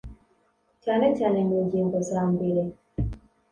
cyane cyane mu ngingo za mbere